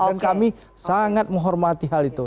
dan kami sangat menghormati hal itu